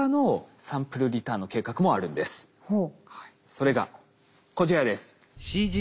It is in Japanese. それがこちらです。